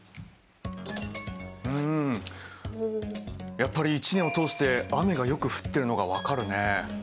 うんやっぱり一年を通して雨がよく降ってるのが分かるね。